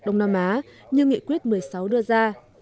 đông nam á như nghị quyết một mươi sáu đưa ra